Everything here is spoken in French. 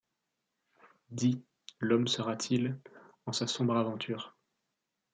Dis, l’homme sera-t-il, en sa sombre aventure